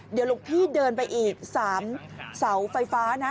เดี๋ยวหลวงพี่เดินไปอีก๓เสาไฟฟ้านะ